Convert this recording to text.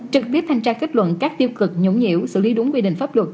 trực tiếp thanh tra kết luận các tiêu cực nhũng nhiễu xử lý đúng quy định pháp luật